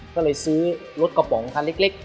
ก็เลยซื้อรถกระป๋องคันเล็ก